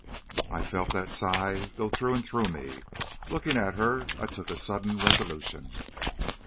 "I felt that sigh go through and through me. Looking at her I took a sudden resolution.